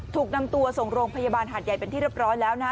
ถูกนำตัวส่งโรงพยาบาลหาดใหญ่เป็นที่เรียบร้อยแล้วนะฮะ